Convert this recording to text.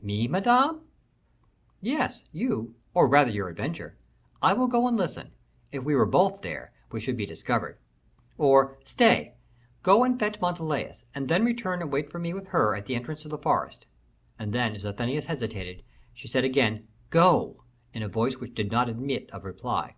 "Me, Madame?" "Yes, you or rather your adventure. I will go and listen; if we were both there, we should be discovered. Or, stay! go and fetch Montalais, and then return and wait for me with her at the entrance of the forest." And then, as Athenais hesitated, she again said "Go!" in a voice which did not admit of reply.